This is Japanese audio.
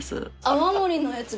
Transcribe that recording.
泡盛のやつ